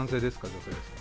女性ですか？